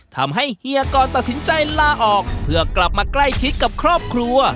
เฮียกรตัดสินใจลาออกเพื่อกลับมาใกล้ชิดกับครอบครัว